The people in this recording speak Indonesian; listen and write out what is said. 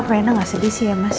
aku harap rena gak sedih sih ya mas